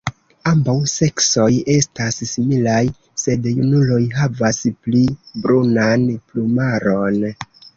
Ambaŭ seksoj estas similaj, sed junuloj havas pli brunan plumaron.